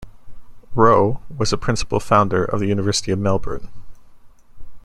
Rowe was a principal founder of the University of Melbourne.